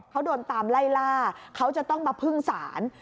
เขาโดนตามไล่ล่าเขาจะต้องมาพึ่งศาล